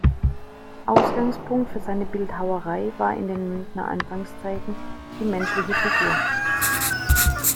Ausgangspunkt für seine Bildhauerei war in den Münchener Anfangszeiten die menschliche Figur.